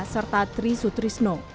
serta tri sutrisno